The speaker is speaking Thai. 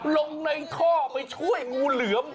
ลงในท่อไปช่วยงูเหลือม